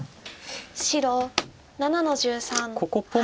白７の十三ハネ。